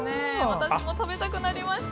私も食べたくなりました。